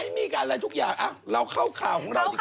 ไม่มีการหลายทุกอย่างแล้วเข้าข่าวของเราดีกว่า